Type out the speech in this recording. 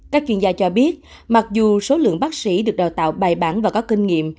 các chuyên gia cho biết mặc dù số lượng bác sĩ được đào tạo bài bản và có kinh nghiệm